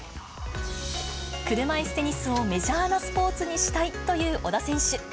車いすテニスをメジャーなスポーツにしたいという小田選手。